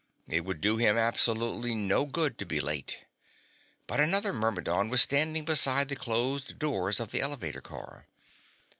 It would do him absolutely no good to be late. But another Myrmidon was standing beside the closed doors of the elevator car.